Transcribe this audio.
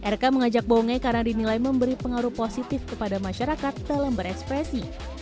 rk mengajak bonge karena dinilai memberi pengaruh positif kepada masyarakat dalam berekspresi